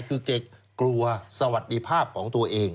คือแกกลัวสวัสดีภาพของตัวเอง